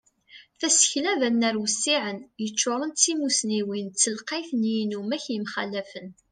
Tasekla d anar wissiɛen, yeččuren d timusniwin d telqayt n yinumak yemxalafen.